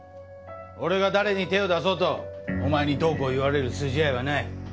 俺が誰に手を出そうとお前にどうこう言われる筋合いはない。